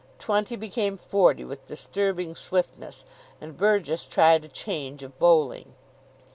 Twenty became forty with disturbing swiftness, and Burgess tried a change of bowling.